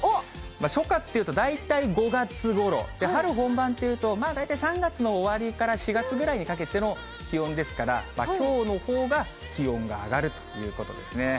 初夏っていうと、大体５月ごろ、春本番というと、大体３月の終わりから４月ぐらいにかけての気温ですから、きょうのほうが気温は上がるということですね。